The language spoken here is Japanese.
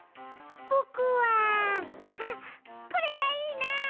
ぼくはあっこれがいいな！